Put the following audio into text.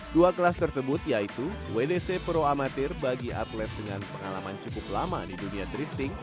dua kelas tersebut yaitu wdc pro amatir bagi atlet dengan pengalaman cukup lama di dunia drifting